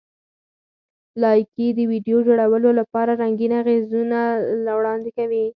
لایکي د ویډیو جوړولو لپاره رنګین اغېزونه وړاندې کوي.